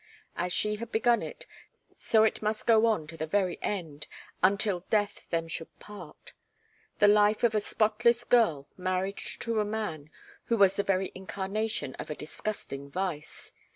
As she had begun it, so it must go on to the very end, 'until death them should part' the life of a spotless girl married to a man who was the very incarnation of a disgusting vice.